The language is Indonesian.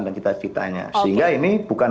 dan cita citanya sehingga ini bukan